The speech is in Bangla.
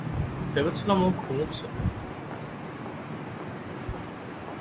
ভেবেছিলাম, ও ঘুমুচ্ছে!